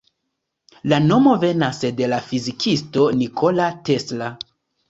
La nomo venas de la fizikisto Nikola Tesla.